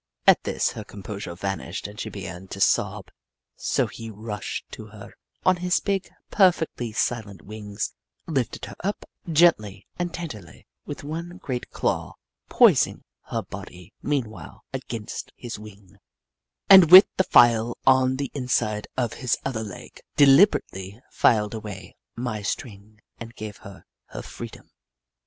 At this her composure vanished and she began to sob, so he rushed to her, on his big, perfectly silent wings, lifted her up, gently and tenderly, with one great claw, poising her body mean while against his wing, and with the file on the inside of his other leg, deliberately filed away my string and gave her her freedom.